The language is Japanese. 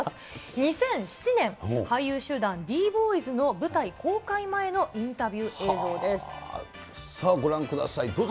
２００７年、俳優集団、ＤーＢＯＹＳの舞台公開前のインタビューさあご覧ください、どうぞ。